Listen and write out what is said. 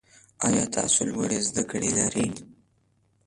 ایا تاسو لوړې زده کړې لرئ؟